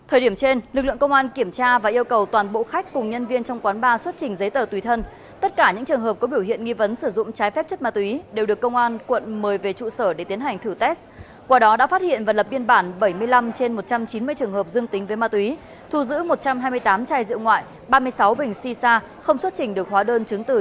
hãy đăng ký kênh để ủng hộ kênh của chúng mình nhé